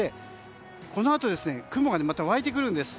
このあと雲がまた湧いてくるんです。